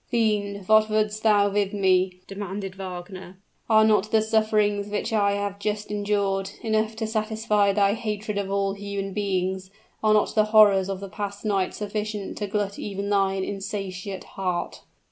"Fiend, what would'st thou with me?" demanded Wagner. "Are not the sufferings which I have just endured, enough to satisfy thy hatred of all human beings? are not the horrors of the past night sufficient to glut even thine insatiate heart?"